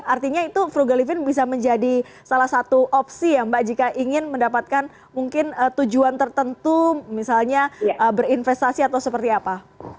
artinya itu frugal living bisa menjadi salah satu opsi ya mbak jika ingin mendapatkan mungkin tujuan tertentu misalnya berinvestasi atau seperti apa